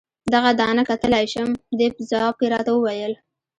دغه دانه کتلای شم؟ دې په ځواب کې راته وویل.